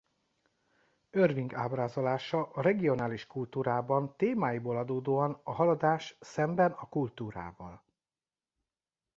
Irving ábrázolása a regionális kultúrában témáiból adódóan a haladás szemben a kultúrával.